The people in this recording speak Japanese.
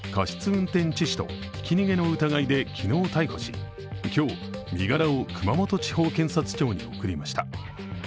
運転致死とひき逃げの疑いで昨日逮捕し、今日、身柄を熊本地方検察庁に送りました。